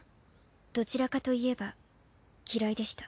どちらかといえば嫌いでした。